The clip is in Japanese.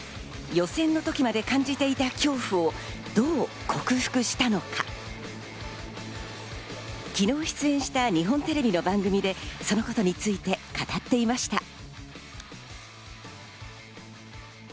予選の時まで感じていた恐怖をどう克服したのか、昨日、出演した日本テレビの番組でそのことについて語っていました。